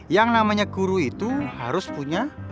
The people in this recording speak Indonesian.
yang namanya guru itu harus punya